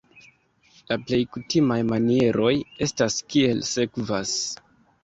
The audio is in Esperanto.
La plej kutimaj manieroj estas kiel sekvas.